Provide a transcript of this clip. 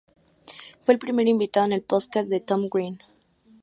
Fue el primer invitado en el podcast de Tom Green.